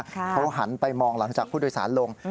เขาหันไปมองหลังจากผู้โดยสารลง